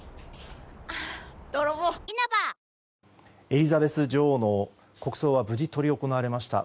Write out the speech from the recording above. エリザベス女王の国葬は無事、執り行われました。